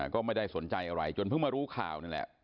ก็ไม่ได้สนใจอะไรจนเพิ่งมารู้ข่าวนั่นแหละ